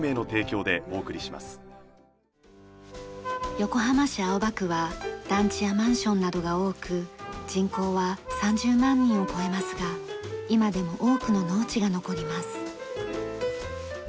横浜市青葉区は団地やマンションなどが多く人口は３０万人を超えますが今でも多くの農地が残ります。